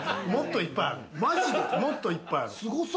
もっといっぱいある。